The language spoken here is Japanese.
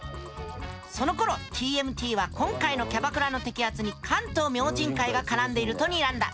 そのころＴＭＴは今回のキャバクラの摘発に関東明神会が絡んでいるとにらんだ。